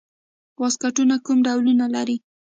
واسکټونه کوم ډولونه لري؟